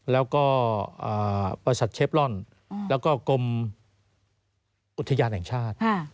แล้วก็ประสัตว์เชฟร่อนแล้วก็กรมอุทยาแห่งชาติ